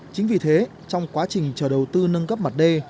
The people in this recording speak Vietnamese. chính vì thế trong quá trình trở đầu tư nâng cấp mặt d